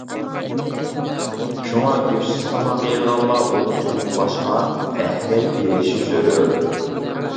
شۇڭا گۆشسىز تاماق يەيدىغانلار ئۇنى تولۇقلاشقا ئەھمىيەت بېرىشى زۆرۈر.